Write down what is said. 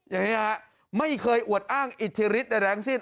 อย่างนี้ฮะไม่เคยอวดอ้างอิทธิฤทธิใดแรงสิ้น